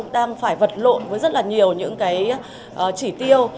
đang phải vật lộn với rất là nhiều những cái chỉ tiêu